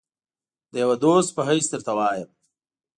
د یوه دوست په حیث درته وایم.